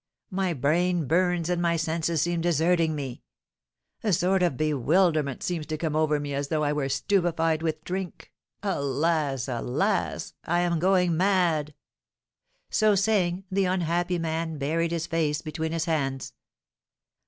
My brain burns and my senses seem deserting me. A sort of bewilderment seems to come over me as though I were stupefied with drink. Alas, alas! I am going mad!" So saying, the unhappy man buried his face between his hands.